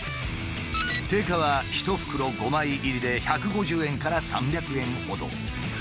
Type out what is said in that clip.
定価は１袋５枚入りで１５０円から３００円ほど。